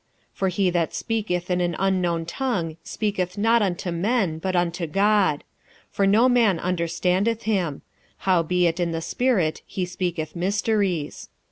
46:014:002 For he that speaketh in an unknown tongue speaketh not unto men, but unto God: for no man understandeth him; howbeit in the spirit he speaketh mysteries.